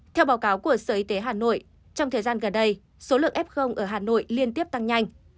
theo báo cáo của sở y tế hà nội trong thời gian gần đây số lượng f ở hà nội liên tiếp tăng nhanh